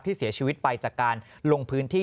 เสียชีวิตไปจากการลงพื้นที่